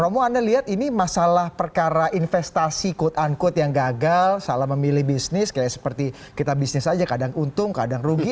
romo anda lihat ini masalah perkara investasi quote unquote yang gagal salah memilih bisnis kayak seperti kita bisnis saja kadang untung kadang rugi